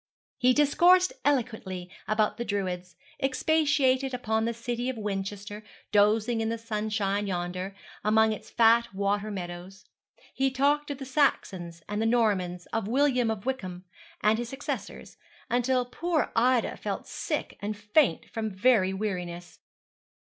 He discoursed eloquently about the Druids, expatiated upon the City of Winchester, dozing in the sunshine yonder, among its fat water meadows. He talked of the Saxons and the Normans, of William of Wykeham, and his successors, until poor Ida felt sick and faint from very weariness.